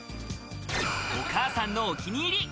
お母さんのお気に入り。